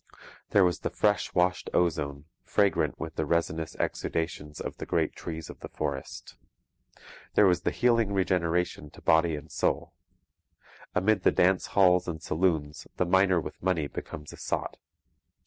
There was the fresh washed ozone fragrant with the resinous exudations of the great trees of the forest. There was the healing regeneration to body and soul. Amid the dance halls and saloons the miner with money becomes a sot.